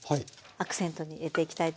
アクセントに入れてきたいと思います。